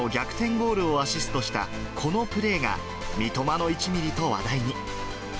ゴールをアシストしたこのプレーが、三笘の１ミリと話題に。